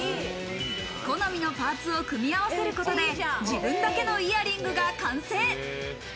好みのパーツを組み合わせることで自分だけのイヤリングが完成。